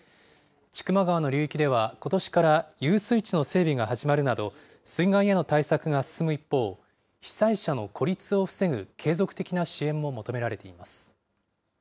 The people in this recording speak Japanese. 千曲川の流域では、ことしから、遊水地の整備が始まるなど、水害への対策が進む一方、被災者の孤立を防ぐ継続的な支援も求められています。